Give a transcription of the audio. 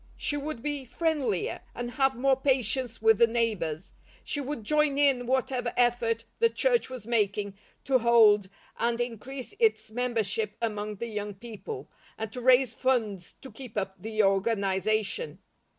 She would be friendlier, and have more patience with the neighbours. She would join in whatever effort the church was making to hold and increase its membership among the young people, and to raise funds to keep up the organization.